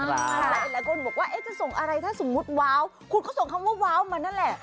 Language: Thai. หลายคนบอกว่าจะส่งอะไรถ้าสมมุติว้าวคุณก็ส่งคำว่าว้าวมานั่นแหละ